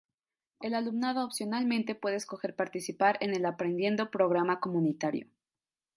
El alumnado opcionalmente puede escoger participar en el Aprendiendo Programa Comunitario.